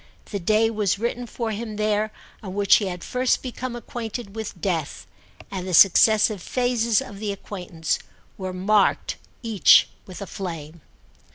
The day was written for him there on which he had first become acquainted with death, and the successive phases of the acquaintance were marked each with a flame.